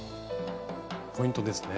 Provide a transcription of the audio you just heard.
ポイントですね。